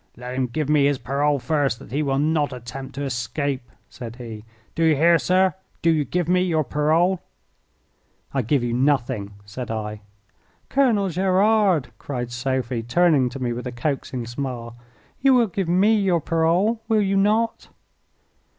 "Let him give me his parole first that he will not attempt to escape," said he. "Do you hear, sir? Do you give me your parole?" "I give you nothing," said I. "Colonel Gerard," cried Sophie, turning to me with a coaxing smile, "you will give me your parole, will you not?"